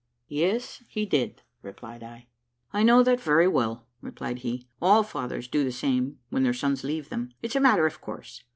"Yes, he did," replied I. "I know that very well," replied he: "all fathers do the same when their sons leave them; it's a matter of course.